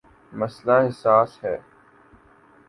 مسئلہ حساس ہے۔